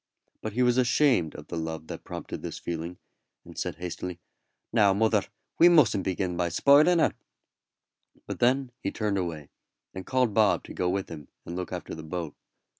But he was ashamed of the love that prompted this feeling, and said hastily: "Now, mother, we mustn't begin by spoiling her;" but then he turned away, and called Bob to go with him and look after the boat.